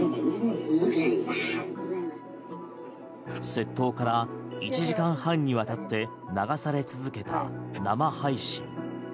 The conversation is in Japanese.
窃盗から１時間半にわたって流され続けた生配信。